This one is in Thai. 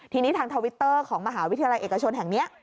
ทีนี้ทางทวิตเตอร์ของมหาวิทยาลัยเอกชนแห่งนี้